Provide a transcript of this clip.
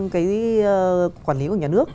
cái quản lý của nhà nước